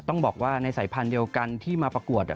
ต้องบอกว่าในสายพันธุ์เดียวกันที่มาประกวด